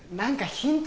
ヒント？